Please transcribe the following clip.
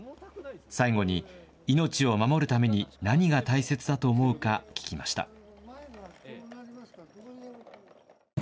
最後に命を守るために何が大切だと思うか聞きました。